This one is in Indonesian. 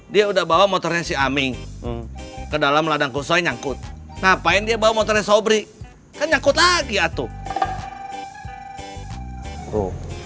dia udah bawa motornya si aming ke dalam ladang kusoi nyamput ngapain dia bawa motornya sobri nyamput lagi atuh